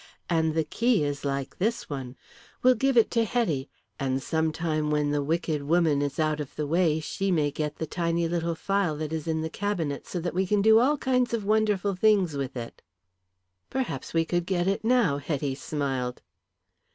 "And the key is like this one. We'll give it to Hetty, and some time when the wicked woman is out of the way she may get the tiny little phial that is in the cabinet so that we can do all kinds of wonderful things with it." "Perhaps we could get it now." Hetty smiled.